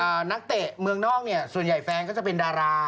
นักเตะเมืองนอกเนี่ยส่วนใหญ่แฟนก็จะเป็นดารา